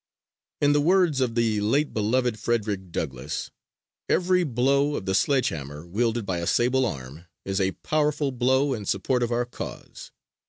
In the words of the late beloved Frederick Douglass: "Every blow of the sledge hammer wielded by a sable arm is a powerful blow in support of our cause.